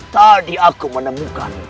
tadi aku menemukan